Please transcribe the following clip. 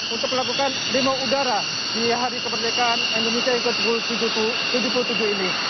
untuk melakukan limau udara di hari kemerdekaan indonesia tahun seribu sembilan ratus tujuh puluh tujuh ini